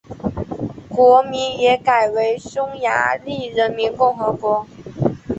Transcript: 国名也改为匈牙利人民共和国。